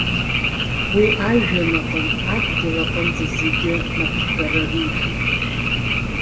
Уи ажәҩан аҟынтә адгьыл аҟынӡа зегьы напхгара риҭоит.